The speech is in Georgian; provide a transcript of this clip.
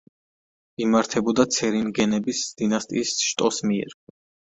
იმართებოდა ცერინგენების დინასტიის შტოს მიერ.